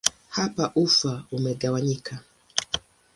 Hapa ufa imegawanyika.